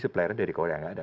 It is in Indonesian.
suppliernya dari korea gak ada